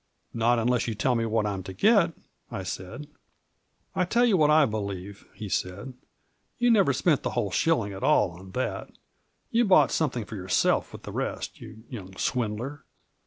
" Not unless you tell me what I'm to get," I said. "I tell you what I believe," he said; "you never spent the whole shilling at all on that ; you bought some thing for yourself with the rest, you young swindler.